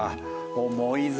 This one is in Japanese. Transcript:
重いぞ。